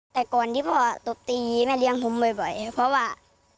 แต่ก่อนที่พ่อตบตีค่ะแม่เรียงผมบ่อยพอว่า